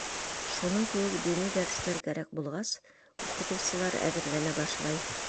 Шуның кеүек, дини дәрестәр кәрәк булғас, уҡытыусылар әҙерләнә башлай.